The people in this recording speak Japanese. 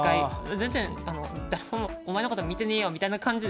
全然誰もお前のこと見てねえよみたいな感じで。